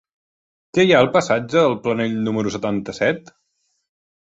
Què hi ha al passatge de Planell número setanta-set?